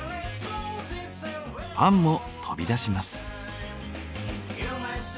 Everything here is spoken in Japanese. パンも飛び出します。